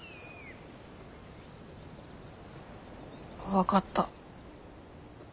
わかった。